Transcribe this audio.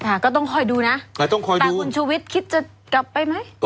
อ่าก็ต้องคอยดูน่ะต้องคอยดูแต่คุณชุวิตคิดจะกลับไปไหม